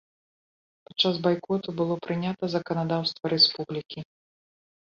Падчас байкоту было прынята заканадаўства рэспублікі.